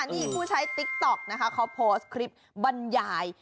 นี่ผู้ใช้ติ๊กต๊อกนะคะเขาโพสต์คลิปบรรยาย